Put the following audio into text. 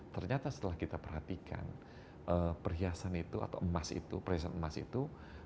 ternyata setelah kita perhatikan perhiasan itu atau emas itu perhiasan emas itu